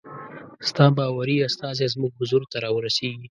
ستا باوري استازی زموږ حضور ته را ورسیږي.